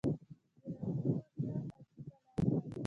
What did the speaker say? د رندانو څه عجیبه لاره ده.